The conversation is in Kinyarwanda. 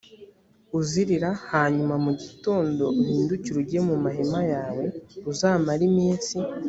uzirira hanyuma mu gitondo uhindukire ujye mu mahema yawe uzamare iminsi